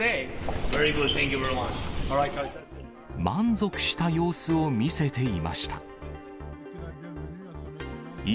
満足した様子を見せていました。